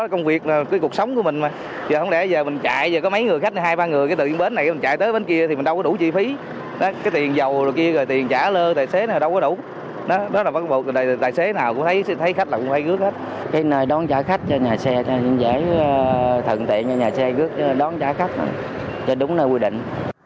cái nơi đón trả khách cho nhà xe những giải thận tiện cho nhà xe gước đón trả khách cho đúng nơi quy định